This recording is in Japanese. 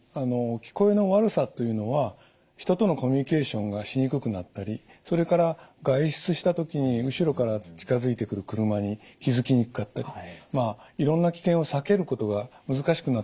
聞こえの悪さというのは人とのコミュニケーションがしにくくなったりそれから外出した時に後ろから近づいてくる車に気付きにくかったりまあいろんな危険を避けることが難しくなったりする。